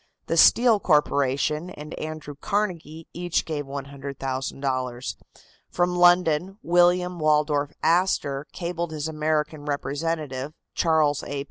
The Steel Corporation and Andrew Carnegie each gave $100,000. From London William Waldorf Astor cabled his American representative, Charles A.